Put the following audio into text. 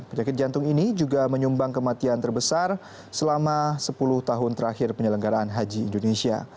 penyakit jantung ini juga menyumbang kematian terbesar selama sepuluh tahun terakhir penyelenggaraan haji indonesia